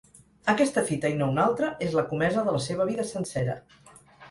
Aquesta fita, i no una altra, és la comesa de la seva vida sencera.